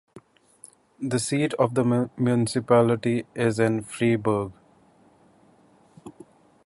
The seat of the municipality is in Freiburg.